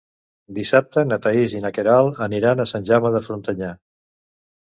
Dissabte na Thaís i na Queralt aniran a Sant Jaume de Frontanyà.